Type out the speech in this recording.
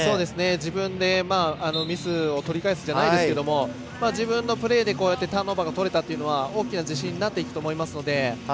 自分でミスを取り返すじゃないですけど自分のプレーでターンオーバーをとれたというのは大きな自信になっていくと思いますので。